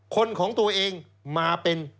คนของตัวเองมาเป็น